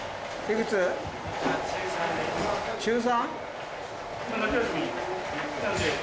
中３？